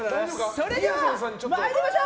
それでは参りましょう。